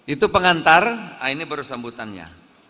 itu pengantar ini baru sambutannya